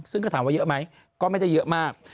ซึ่งก็ถามว่าเยอะไหมก็ไม่ได้เยอะมาก